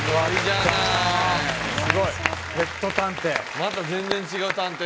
また全然違う探偵ね。